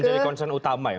tidak menjadi konsen utama ya